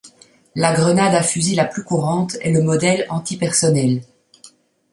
La grenade à fusil la plus courante est le modèle antipersonnel.